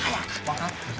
わかってる。